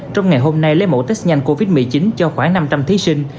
trong ngày hôm nay lấy mẫu test nhanh covid một mươi chín cho khoảng năm trăm linh thí sinh